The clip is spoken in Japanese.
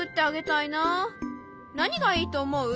何がいいと思う？